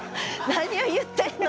何を言ってんの！